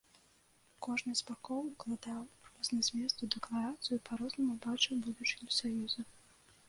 Кожны з бакоў укладаў розны змест у дэкларацыю і па-рознаму бачыў будучыню саюза.